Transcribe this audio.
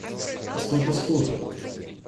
Постой, постой!